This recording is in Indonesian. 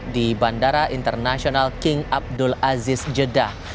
di bandara internasional king abdul aziz jeddah